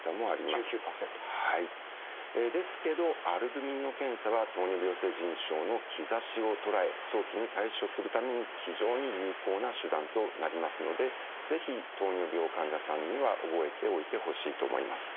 ですけどアルブミンの検査は糖尿病性腎症の兆しを捉え早期に対処するために非常に有効な手段となりますので是非糖尿病患者さんには覚えておいてほしいと思います。